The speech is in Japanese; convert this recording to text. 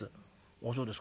「ああそうですか。